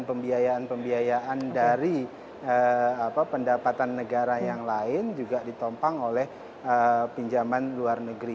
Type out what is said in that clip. pembiayaan pembiayaan dari pendapatan negara yang lain juga ditompang oleh pinjaman luar negeri